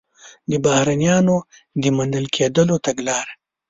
د بهرنیانو د منل کېدلو تګلاره